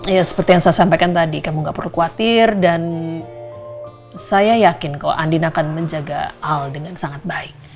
ya seperti yang saya sampaikan tadi kamu gak perlu khawatir dan saya yakin kok andin akan menjaga al dengan sangat baik